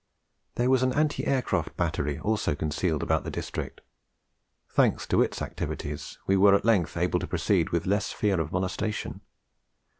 There was an Anti Aircraft Battery also concealed about the district; thanks to its activities, we were at length able to proceed with less fear of molestation.